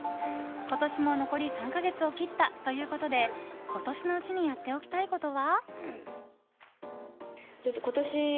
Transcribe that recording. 今年も残り３か月を切ったということで今年のうちにやっておきたいことは？